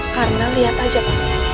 karena lihat aja pak